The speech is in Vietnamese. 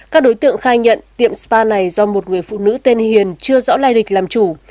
các đối tượng khai nhận tiệm spa này do một người phụ nữ tên hiền chưa rõ lai lịch làm chủ